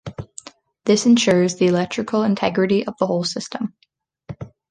This ensures the electrical integrity of the whole system.